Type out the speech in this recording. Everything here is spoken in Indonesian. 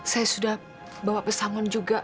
saya sudah bawa pesangon juga